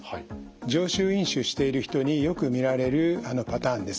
常習飲酒している人によく見られるパターンです。